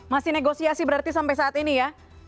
masih negosiasi berarti sampai saat ini ya